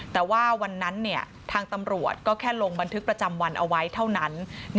แต่ว่าวันนั้นทางตำรวจก็แค่ลงบันทึกประจำวันเอาไว้เท่านั้น